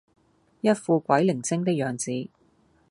一副鬼靈精的樣子